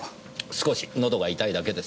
少し喉が痛いだけです。